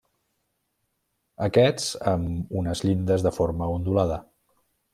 Aquests amb unes llindes de forma ondulada.